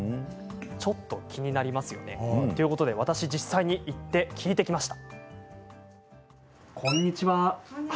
ちょっと気になりますよね。ということで私、実際に行って聞いてきました。